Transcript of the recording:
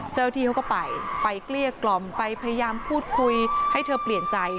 เจ้าที่เขาก็ไปไปเกลี้ยกล่อมไปพยายามพูดคุยให้เธอเปลี่ยนใจ